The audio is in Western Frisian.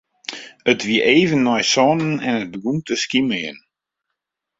It wie even nei sânen en it begûn te skimerjen.